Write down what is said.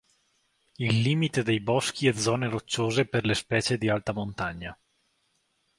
Il limite dei boschi e zone rocciose per le specie di alta montagna.